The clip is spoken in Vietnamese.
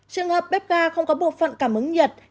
trường hợp bếp ga không có bộ phận cảm ứng nhiệt